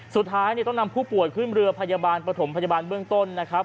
สุดท้ายต้องนำผู้ป่วยขึ้นเรือพยาบาลประถมพยาบาลเบื้องต้นนะครับ